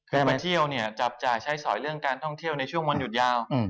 มาเที่ยวเนี่ยจับจ่ายใช้สอยเรื่องการท่องเที่ยวในช่วงวันหยุดยาว